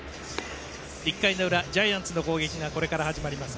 １回の裏ジャイアンツの攻撃が始まります。